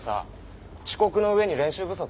遅刻のうえに練習不足？